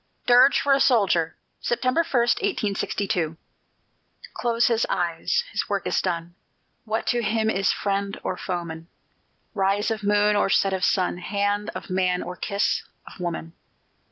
DIRGE FOR A SOLDIER [September 1, 1862] Close his eyes; his work is done! What to him is friend or foeman, Rise of moon, or set of sun, Hand of man, or kiss of woman?